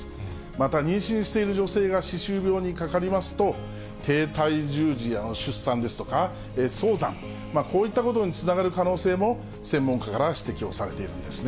また、妊娠している女性が歯周病にかかりますと、低体重児の出産ですとか、早産、こういったことにつながる可能性も、専門家から指摘をされているんですね。